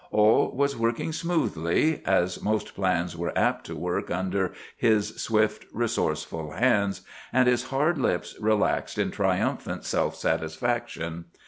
All was working smoothly—as most plans were apt to work under his swift, resourceful hands—and his hard lips relaxed in triumphant self satisfaction.